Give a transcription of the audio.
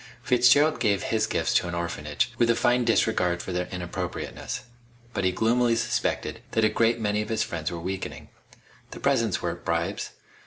Fitzgerald gave his gifts to an orphanage, with a fine disregard of their inappropriateness. But he gloomily suspected that a great many of his friends were weakening. The presents weren't bribes.